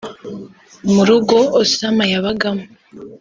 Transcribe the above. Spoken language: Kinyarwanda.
mu rugo Osama yabagamo